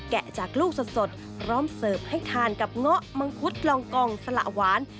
จากลูกสดพร้อมเสิร์ฟให้ทานกับเงาะมังคุดลองกองสละหวาน